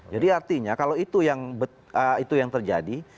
jadi artinya kalau itu yang terjadi